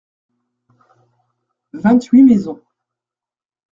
Vingt-huit maisons.